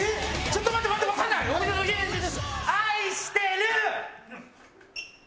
ちょっと待って待って。